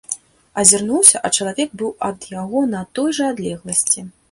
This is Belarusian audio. Азірнуўся, а чалавек быў ад яго на той жа адлегласці.